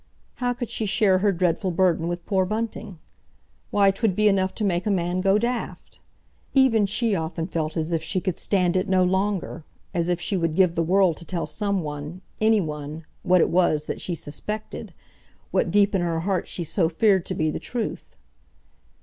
How could she share her dreadful burden with poor Bunting? Why, 'twould be enough to make a man go daft. Even she often felt as if she could stand it no longer—as if she would give the world to tell someone—anyone—what it was that she suspected, what deep in her heart she so feared to be the truth.